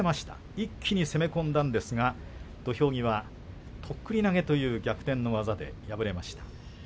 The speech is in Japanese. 一気に攻め込んだんですが土俵際とっくり投げという逆転技で敗れています。